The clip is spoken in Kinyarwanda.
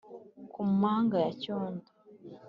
Ku manga ya Cyondo